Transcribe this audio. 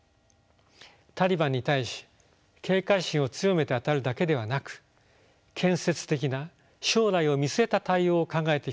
タリバンに対し警戒心を強めて当たるだけではなく建設的な将来を見据えた対応を考えていくことが不可欠です。